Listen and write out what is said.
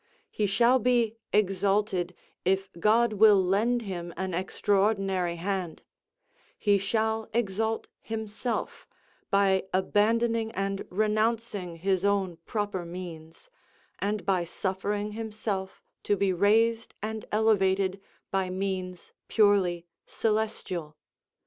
He shall be exalted, if God will lend him an extraordinary hand; he shall exalt himself, by abandoning and renouncing his own proper means, and by suffering himself to be raised and elevated by means purely celestial.